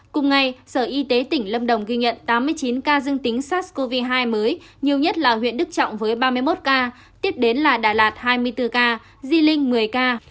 cùng ngày sở y tế tỉnh lâm đồng ghi nhận tám mươi chín ca dương tính sars cov hai mới nhiều nhất là huyện đức trọng với ba mươi một ca tiếp đến là đà lạt hai mươi bốn ca di linh một mươi ca